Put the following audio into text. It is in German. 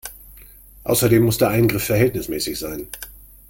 Außerdem muss der Eingriff verhältnismäßig sein.